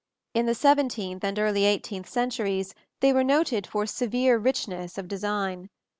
In the seventeenth and early eighteenth centuries they were noted for severe richness of design.